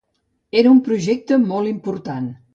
Era un projecte molt important.